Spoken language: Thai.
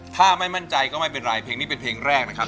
ถ้าไม่มั่นใจก็ไม่เป็นไรเพลงนี้เป็นเพลงแรกนะครับ